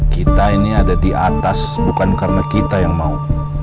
kita ini ada di atas bukan karena kita yang mau